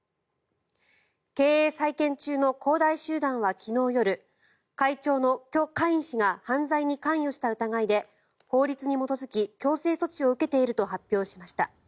経営再建中の恒大集団は昨日夜会長のキョ・カイン氏が犯罪に関与した疑いで法律に基づき強制措置を受けていると発表しました。